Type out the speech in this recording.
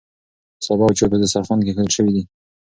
سابه او چای په دسترخوان کې ایښودل شوي دي.